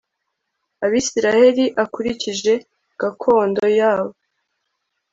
abisirayeli akurikije gakondo yabo